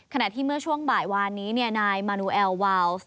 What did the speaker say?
ขณะที่เมื่อช่วงบ่ายวานนี้นายมานูแอลวาวส์